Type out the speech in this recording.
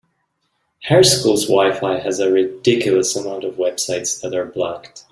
Her school’s WiFi has a ridiculous amount of websites that are blocked.